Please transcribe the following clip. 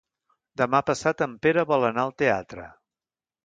Demà passat en Pere vol anar al teatre.